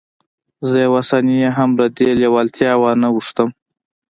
زه یوه ثانیه هم له دې لېوالتیا وانه وښتم